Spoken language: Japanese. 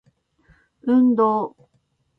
運動